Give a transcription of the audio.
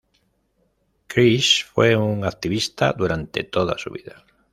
Chris fue un activista durante toda su vida.